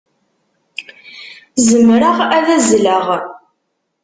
Zemreɣ ad azzleɣ.